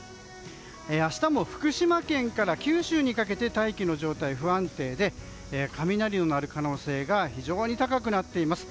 明日も福島県から九州にかけて大気の状態が不安定で雷が鳴る可能性が非常に高くなっています。